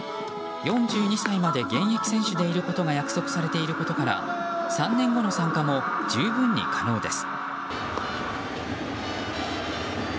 ４２歳まで現役選手でいることが約束されていることから３年後の参加も十分に可能です。